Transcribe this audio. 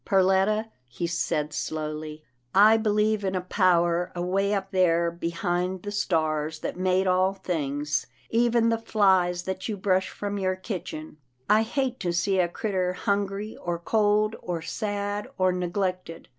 " Perletta," he said slowly, I believe in a power away up there behind the stars that made all things, even the flies that you brush from your kitchen. I hate to see a critter hungry, or cold, or sad, or neglected.